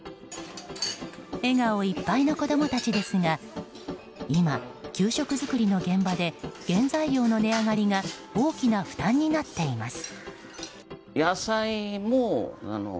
笑顔いっぱいの子供たちですが今、給食作りの現場で原材料の値上がりが大きな負担になっています。